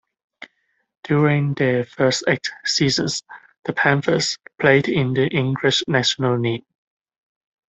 During their first eight seasons the Panthers played in the English National League.